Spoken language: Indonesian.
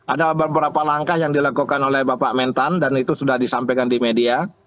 ada beberapa langkah yang dilakukan oleh bapak mentan dan itu sudah disampaikan di media